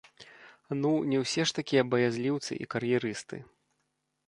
Ну, не ўсе ж такія баязліўцы і кар'ерысты.